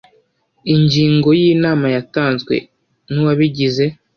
ingingo ya inama yatanzwe n uwabigize